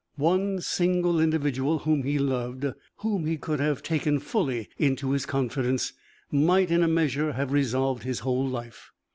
One single individual whom he loved, whom he could have taken fully into his confidence, might, in a measure, have resolved his whole life.